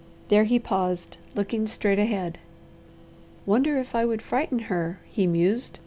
There he paused, looking straight ahead. "Wonder if I would frighten her?" he mused.